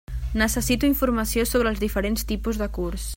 Necessito informació sobre els diferents tipus de curs.